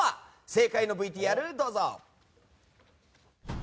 正解のＶＴＲをどうぞ。